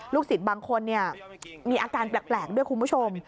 ศิษย์บางคนมีอาการแปลกด้วยคุณผู้ชม